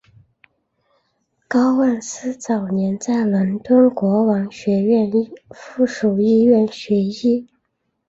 高万斯早年在伦敦国王学院附属医院学医。